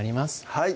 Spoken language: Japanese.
はい